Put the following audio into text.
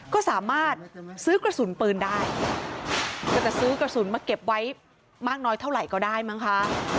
ก็สามารถซื้อกระสุนปืนได้แต่จะซื้อกระสุนมาเก็บไว้มากน้อยเท่าไหร่ก็ได้มั้งคะ